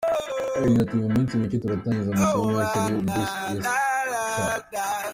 Yagize ati ”Mu minsi mike turatangiza amasomo mashya ari yo Bsc.